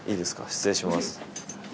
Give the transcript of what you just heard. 失礼します。